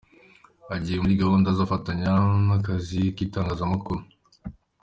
Agiye muri gahunda ze azafatanya n'akazi k'itangazamakuru.